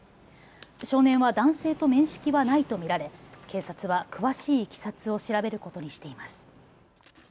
少年は男性と面識はないと見られ警察は詳しいいきさつを調べることにしています。